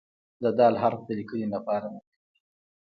د "د" حرف د لیکنې لپاره مهم دی.